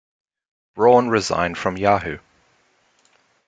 Braun resigned from Yahoo!